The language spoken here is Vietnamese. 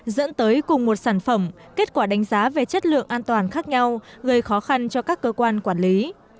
dẫn tới cùng một sản phẩm kết quả đánh giá về chất lượng an toàn khác nhau gây khó khăn cho các cơ quan quản lý